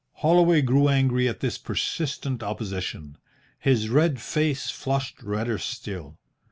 Holloway grew angry at this persistent opposition. His red face flushed redder still.